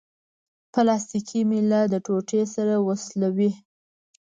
پلاستیکي میله د ټوټې سره وسولوئ.